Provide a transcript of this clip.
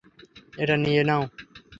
এটা নিয়ে নাও।